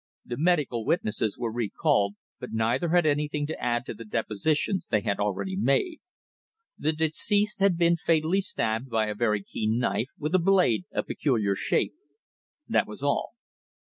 The medical witnesses were recalled, but neither had anything to add to the depositions they had already made. The deceased had been fatally stabbed by a very keen knife with a blade of peculiar shape. That was all.